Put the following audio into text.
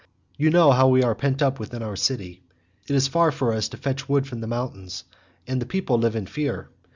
You know how we are pent up within our city; it is far for us to fetch wood from the mountain, and the people live in fear.